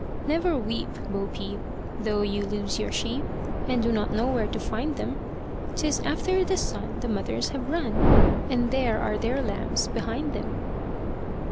Never weep, Bo Peep, though you lose your sheep, And do not know where to find them; 'Tis after the sun the mothers have run, And there are their lambs behind them.